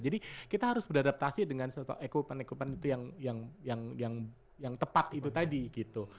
jadi kita harus beradaptasi dengan setelah equipment equipment itu yang tepat itu tadi gitu